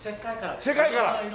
世界からの。